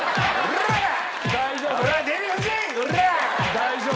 大丈夫？